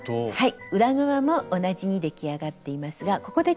はい。